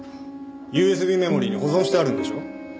ＵＳＢメモリーに保存してあるんでしょう？